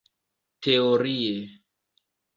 teorie